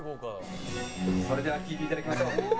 それでは聴いていただきましょう。